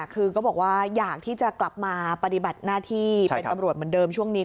คือก็บอกว่าอยากที่จะกลับมาปฏิบัติหน้าที่เป็นตำรวจเหมือนเดิมช่วงนี้